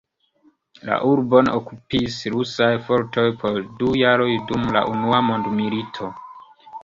La urbon okupis rusaj fortoj por du jaroj dum la unua mondmilito.